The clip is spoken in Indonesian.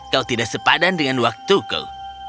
kau tidak sepadan dengan waktuku